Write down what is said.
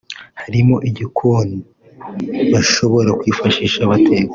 harimo igikoni bashobora kwifashisha bateka